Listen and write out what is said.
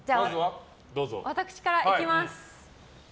私からいきます。